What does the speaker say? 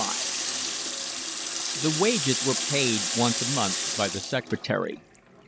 CV The wages were paid once a month by the secretary.